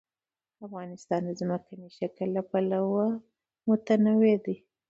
افغانستان د ځمکنی شکل له پلوه متنوع دی.